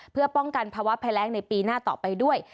เพื่อป้องกันภาวะภัยแรงในปีหน้าต่อไปด้วย